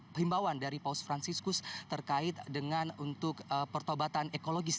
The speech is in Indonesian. pembawaan dari paus franciscus terkait dengan untuk pertobatan ekologis